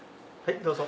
どうぞ。